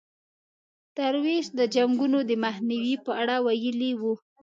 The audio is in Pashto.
درویش د جنګونو د مخنیوي په اړه ویلي وو.